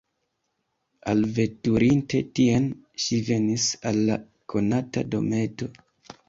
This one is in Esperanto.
Alveturinte tien, ŝi venis al la konata dometo.